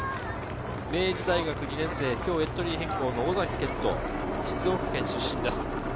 明治大学２年生、エントリー変更の尾崎健斗、静岡県出身です。